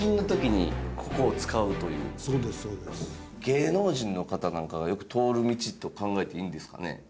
芸能人の方なんかがよく通る道と考えていいんですかね？